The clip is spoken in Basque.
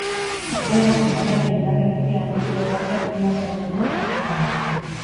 Horrela, finalaren bigarren erdian bi pilotariak nor baino nor aritu dira.